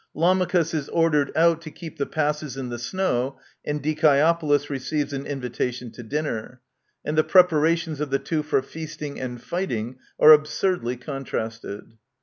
Lamachus is ordered out to keep the passes in the snow, and Dicaeopolis receives an invitation to dinner; and the preparations of the two for feasting and fighting are absurdly contrasted.